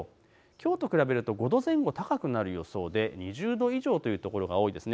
きょうと比べると５度前後高くなる予想で２０度以上という所が多いです。